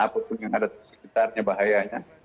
apapun yang ada di sekitarnya bahayanya